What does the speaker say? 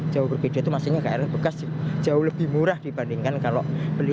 jauh berbeda itu maksudnya krl bekas jauh lebih murah dibandingkan kalau beli